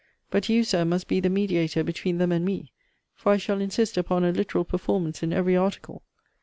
But you, Sir, must be the mediator between them and me; for I shall insist upon a literal performance in every article.